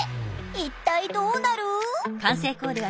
一体どうなる？